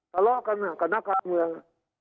ทะเลาะกันกับนักการเมือง